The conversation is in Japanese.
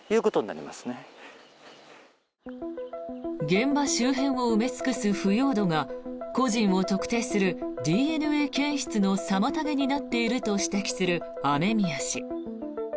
現場周辺を埋め尽くす腐葉土が個人を特定するＤＮＡ検出の妨げになっていると指摘する雨宮氏。